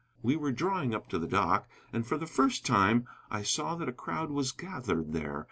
We were drawing up to the dock, and for the first time I saw that a crowd was gathered there.